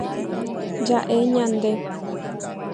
Ja'e ñande.